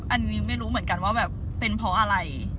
อันนี้ไม่รู้เหมือนกันว่าแบบเป็นเพราะอะไร